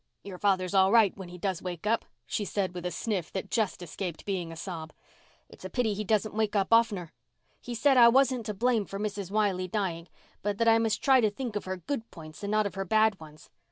"Your father's all right, when he does wake up," she said with a sniff that just escaped being a sob. "It's a pity he doesn't wake up oftener. He said I wasn't to blame for Mrs. Wiley dying, but that I must try to think of her good points and not of her bad ones.